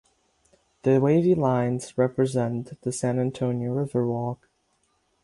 The wavy lines represent the San Antonio River Walk.